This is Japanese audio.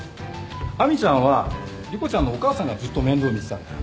亜美ちゃんは莉湖ちゃんのお母さんがずっと面倒見てたんだよ。